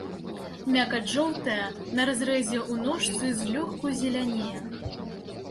Мякаць жоўтая, на разрэзе ў ножцы злёгку зелянее.